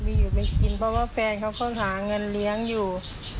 ก็พอมีอยู่ไปกินเพราะว่าแฟนเขาค่อยหาเงินเลี้ยงอยู่